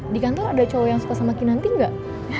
di kantor ada cowok yang suka sama kinanti nggak